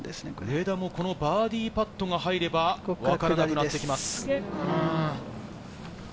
上田もこのバーディーパットが入れば分からなくなってきます。